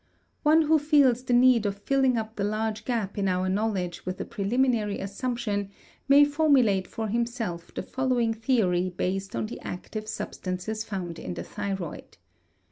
One who feels the need of filling up the large gap in our knowledge with a preliminary assumption may formulate for himself the following theory based on the active substances found in the thyroid.